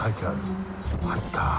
あった。